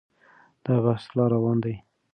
دا بحث لا روان دی.